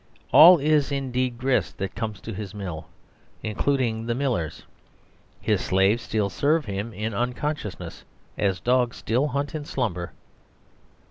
All is, indeed, grist that comes to his mill, including the millers. His slaves still serve him in unconsciousness, as dogs still hunt in slumber.